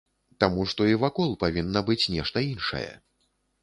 Таму што і вакол павінна быць нешта іншае.